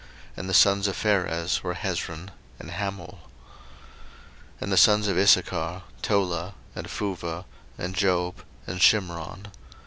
And the sons of Pharez were Hezron and Hamul. 01:046:013 And the sons of Issachar; Tola, and Phuvah, and Job, and Shimron.